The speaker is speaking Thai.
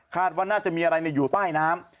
ว่าน่าจะมีอะไรอยู่ใต้น้ำ